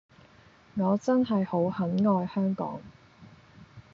我真係好很愛香港